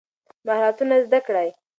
مهارتونه زده کړئ.